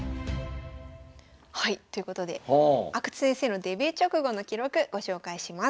はいということで阿久津先生のデビュー直後の記録ご紹介します。